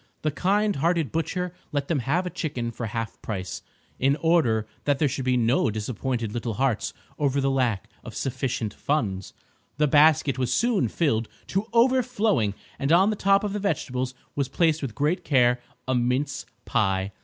The kind hearted butcher let them have a chicken for half price, in order that there should be no disappointed little hearts over the lack of sufficient funds. The basket was soon filled to overflowing and on the top of the vegetables was placed with great care a mince pie.